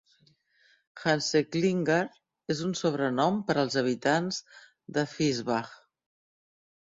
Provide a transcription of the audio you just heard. "Hanseklinger" és un sobrenom per als habitants de Fischbach.